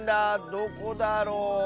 どこだろう。